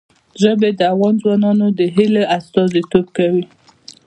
ژبې د افغان ځوانانو د هیلو استازیتوب کوي.